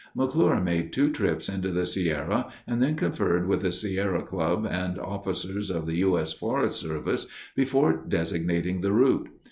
McClure made two trips into the Sierra and then conferred with the Sierra Club and officers of the U. S. Forest Service before designating the route.